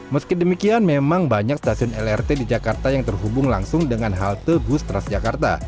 meski demikian memang banyak stasiun lrt di jakarta yang terhubung langsung dengan halte bus transjakarta